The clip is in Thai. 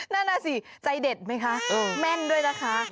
นั่นน่ะสิใจเด็ดไหมคะแม่นด้วยนะคะ